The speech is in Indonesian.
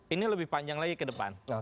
ini lebih panjang lagi ke depan